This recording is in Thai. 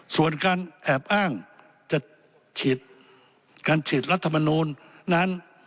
ส่วนการแอบอ้างจะฉีดการฉีดรัฐมนูลนั้น